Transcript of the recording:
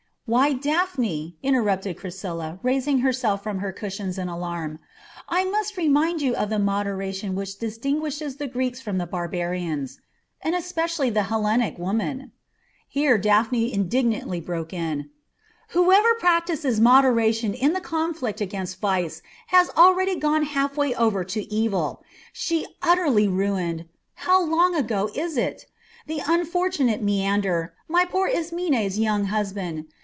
"Why, Daphne," interrupted Chrysilla, raising herself from her cushions in alarm, "must I remind you of the moderation which distinguishes the Greeks from the barbarians, and especially the Hellenic woman " Here Daphne indignantly broke in: "Whoever practises moderation in the conflict against vice has already gone halfway over to evil. She utterly ruined how long ago is it? the unfortunate Menander, my poor Ismene's young husband.